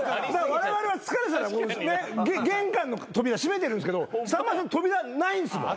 われわれは疲れてたら玄関の扉閉めてるんですけどさんまさん扉ないんですもん。